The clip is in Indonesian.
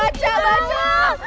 gue bakal lanjutin ini